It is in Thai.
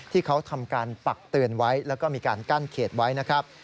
ที่เขาทำการปักเตือนไว้แล้วก็มีการกั้นเขตไว้นะครับ